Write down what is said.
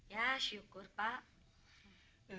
ya syukur pak